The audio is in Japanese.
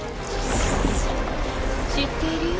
知っているよ